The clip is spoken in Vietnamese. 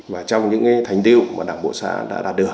và trong những thành tiêu mà đảng bộ xã đã đạt được